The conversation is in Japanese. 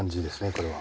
これは。